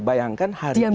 bayangkan hari ini